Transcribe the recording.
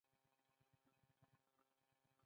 د حق رسا ږغ هیڅکله نه خاموش کیږي